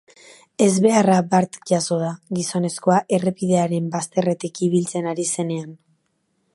Ezbeharra bart jazo da, gizonezkoa errepidearen bazterretik ibiltzen ari zenean.